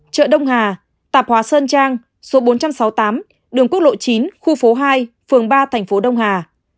trợ đông hà tạp hóa sơn trang số bốn trăm sáu mươi tám đường quốc lộ chín khu phố hai phường ba tp đông hà